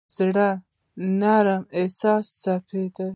زړه د نرم احساس څپه ده.